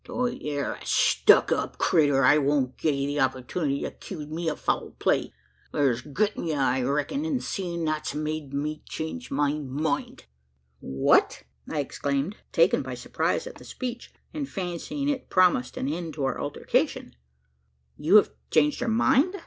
Tho' ye air a stuck up critter, I won't gi' ye the opportunity to 'kuse me o' foul play. Thur's grit in ye, I reck'n; and seein' that's made me change my mind." "What!" I exclaimed, taken by surprise at the speech, and fancying it promised an end to our altercation "you have changed your mind?